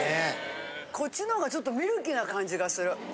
こっちのほうがちょっとミルキーな感じがする。